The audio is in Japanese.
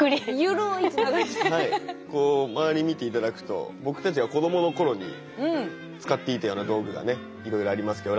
周り見ていただくと僕たちが子どもの頃に使っていたような道具がねいろいろありますけど。